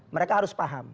mereka harus paham